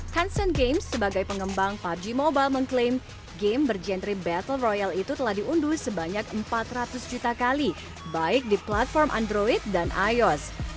tencent games sebagai pengembang pubg mobile mengklaim game bergenre battle royal itu telah diunduh sebanyak empat ratus juta kali baik di platform android dan ios